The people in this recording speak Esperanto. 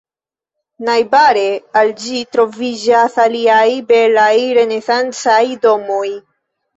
Najbare al ĝi troviĝas aliaj belaj renesancaj domoj.